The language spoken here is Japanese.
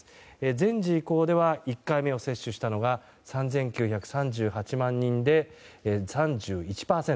全人口では１回目を接種したのが３９３８万人で３１％。